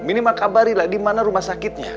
minimal kabarin lah dimana rumah sakitnya